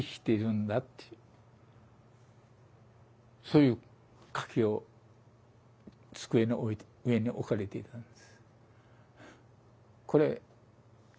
そういう書きを机の上に置かれていたんです。